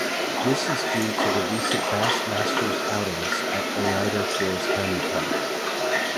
This is due to the recent Bass Masters outings at Oneida Shores County Park.